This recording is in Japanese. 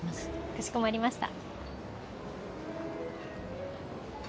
かしこまりました